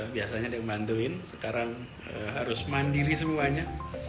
biasanya ada yang membantuin sekarang harus mandiri semuanya